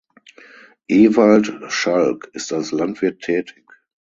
Ewald Schalk ist als Landwirt tätig.